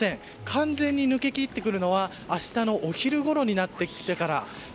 完全に抜けきってくるのは明日のお昼ごろになってきてから。